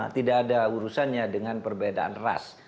tidak ada urusannya dengan perbedaan ras